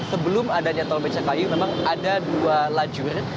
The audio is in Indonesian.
sebelum adanya tol becakayu memang ada dua lajur